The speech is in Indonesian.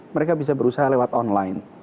mereka bisa berusaha lewat online